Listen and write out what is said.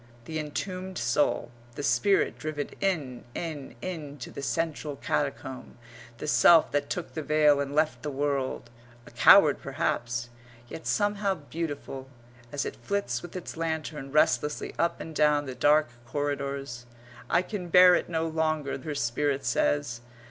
the entombed soul, the spirit driven in, in, in to the central catacomb; the self that took the veil and left the world a coward perhaps, yet somehow beautiful, as it flits with its lantern restlessly up and down the dark corridors. "I can bear it no longer," her spirit says.